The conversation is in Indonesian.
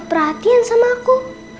perhatian sama aku